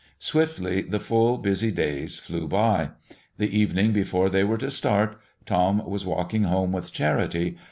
Swiftly the full, busy days flew by. The evening before they were to start, Tom was walking home with Charity.